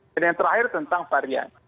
dan yang terakhir tentang varian